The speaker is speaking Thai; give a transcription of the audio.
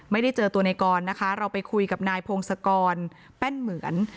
ไม่ได้เจอตัวในกรนะคะเราไปคุยกับนายพงศกรแป้นเหมือน